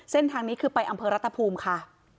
เส้นทางนี้คือไปอำเภอรัฐภูมิค่ะ